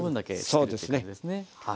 そうですね。